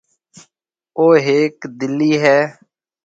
او هيڪ دِلِي هيَ۔